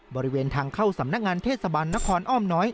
บริเวณทางเข้าสำนักงานเทศบาลนครอ้อมน้อย